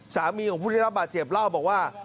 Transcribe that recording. สามีของผู้ได้รับบาดเจ็บเล่าบอกว่า